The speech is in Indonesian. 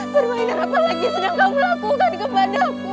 permainan apa lagi yang sedang kamu lakukan kepadaku